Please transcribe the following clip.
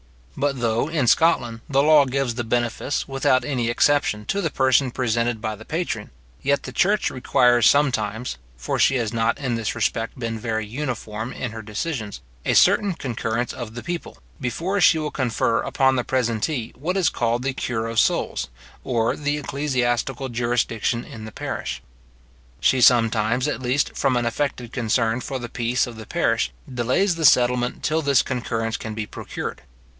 But though, in Scotland, the law gives the benefice, without any exception to the person presented by the patron; yet the church requires sometimes (for she has not in this respect been very uniform in her decisions) a certain concurrence of the people, before she will confer upon the presentee what is called the cure of souls, or the ecclesiastical jurisdiction in the parish. She sometimes, at least, from an affected concern for the peace of the parish, delays the settlement till this concurrence can be procured.